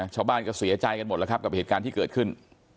ชาวบ้านก็เสียใจกันหมดแล้วครับกับเหตุการณ์ที่เกิดขึ้น